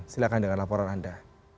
silahkan dengan laporan anda